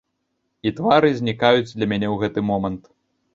І твары знікаюць для мяне ў гэты момант.